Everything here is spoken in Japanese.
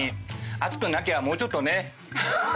暑くなきゃもうちょっとね。